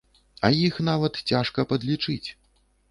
А іх нават цяжка падлічыць.